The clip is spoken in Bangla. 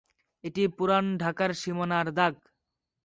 এটি পুরান ঢাকার সীমানার দাগ।